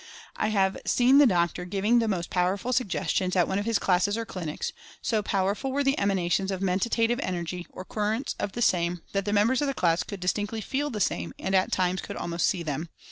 I have seen the doctor giving the most pow erful suggestions at one of his classes or clinics — so powerful were the emanations of Mentative Energy, J or currents of the same, that the members of the class could distinctly "feel" the same, and at times could almost "see" them.